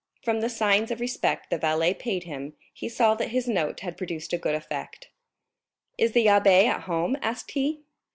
From the signs of respect the valet paid him, he saw that his note had produced a good effect. "Is the abbé at home?" asked he.